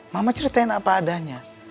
mama ceritain apa adanya